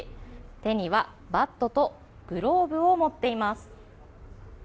手にはバットとグローブを持っています。